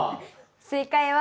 正解は